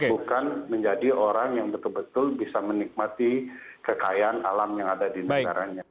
bukan menjadi orang yang betul betul bisa menikmati kekayaan alam yang ada di negaranya